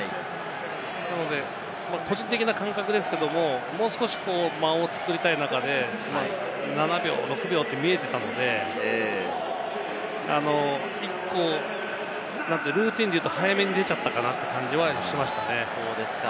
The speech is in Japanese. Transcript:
なので個人的な感覚ですけれども、もう少し間を作りたい中で７秒、６秒って見えてたんで、ルーティンでいうと１個早めに出ちゃったかなという感じはしましたね。